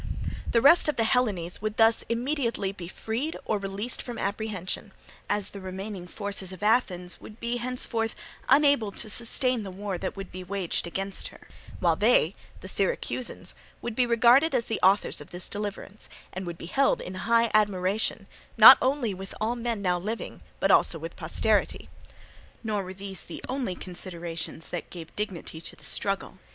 The rest of the Hellenes would thus immediately be either freed or released from apprehension, as the remaining forces of Athens would be henceforth unable to sustain the war that would be waged against her; while they, the Syracusans, would be regarded as the authors of this deliverance, and would be held in high admiration, not only with all men now living but also with posterity. Nor were these the only considerations that gave dignity to the struggle.